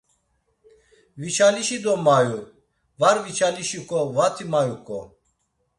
Viçalişi do mayu, var viçalişiǩo vati mayuǩo.